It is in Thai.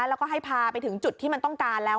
แล้วก็ให้พาไปถึงจุดที่มันต้องการแล้ว